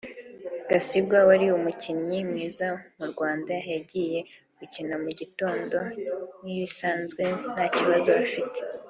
Gasigwa wari umukinnyi mwiza mu Rwanda yagiye gukina mu gitondo nk’ibisanzwe nta kibazo afite